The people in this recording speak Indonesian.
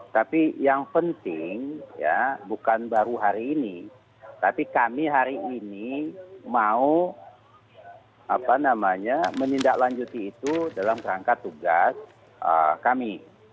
tapi yang penting ya bukan baru hari ini tapi kami hari ini mau menindaklanjuti itu dalam rangka tugas kami